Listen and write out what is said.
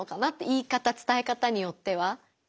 言い方伝え方によっては。